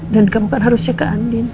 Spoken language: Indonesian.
dan kamu kan harusnya ke andin